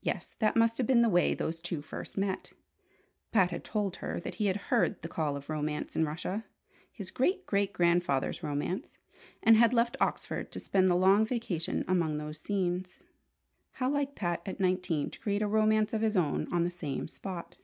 Yes, that must have been the way those two first met! Pat had told her that he had heard the call of romance in Russia his great great grandfather's romance and had left Oxford to spend the long vacation among those scenes. How like Pat at nineteen to create a romance of his own on the same spot!